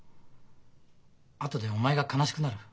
あとでお前が悲しくなる。